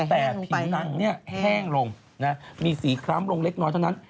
แต่พิงนั้นแห้งลงมีสีคร้ำเล็กน้อยเท่านั้น